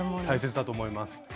大切だと思います。